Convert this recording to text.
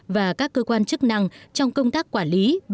và các cơ quan chức năng trong công tác quản lý bảo vệ rừng ở tỉnh này